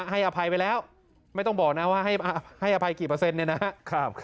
อภัยไปแล้วไม่ต้องบอกนะว่าให้อภัยกี่เปอร์เซ็นต์เนี่ยนะครับ